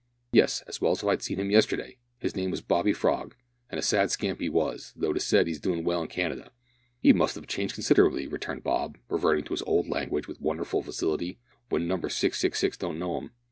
"Yes, as well as if I'd seen him yesterday. His name was Bobby Frog, and a sad scamp he was, though it is said he's doing well in Canada." "He must 'ave changed considerable," returned Bob, reverting to his old language with wonderful facility, "w'en Number 666 don't know 'im.